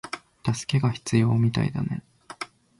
助けが必要みたいだね